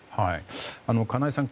金井さん